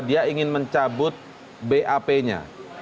dia ingin mencabut bap nya